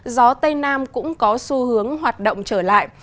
gió tây nam cũng có xu hướng hoạt động trở lại